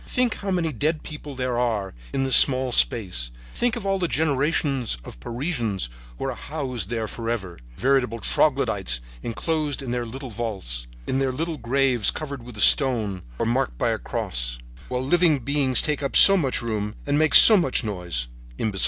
Think how many dead people there are in this small space, think of all the generations of Parisians who are housed there forever, veritable troglodytes enclosed in their little vaults, in their little graves covered with a stone or marked by a cross, while living beings take up so much room and make so much noise —imbeciles that they are!